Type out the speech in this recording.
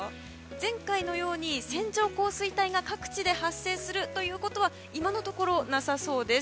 前回のように線状降水帯が各地で発生するということは今のところなさそうです。